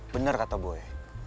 bener kata boy